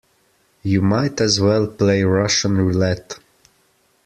You might as well play Russian roulette.